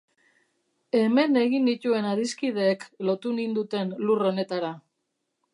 Hemen egin nituen adiskideek lotu ninduten lur honetara.